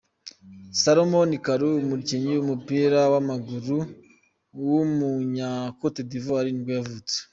Salomon Kalou, umukinnyi w’umupira w’amaguru w’umunya cote d’ivoire nibwo yavutse.